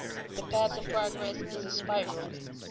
The path of progress is a spiral.